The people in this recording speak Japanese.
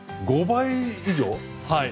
５倍以上？